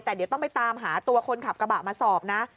แต่เดี๋ยวต้องไปตามหาตัวคนขับกระบะมาสอบนะ